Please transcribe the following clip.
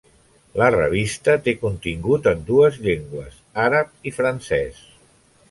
La revista té contingut en dues llengües, àrab i francès.